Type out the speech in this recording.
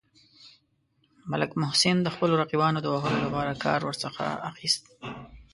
ملک محسن د خپلو رقیبانو د وهلو لپاره کار ورڅخه اخیست.